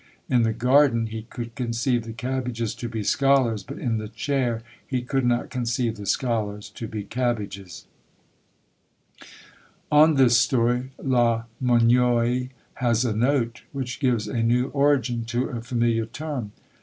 _ In the garden he could conceive the cabbages to be scholars; but in the chair, he could not conceive the scholars to be cabbages." On this story La Monnoye has a note, which gives a new origin to a familiar term.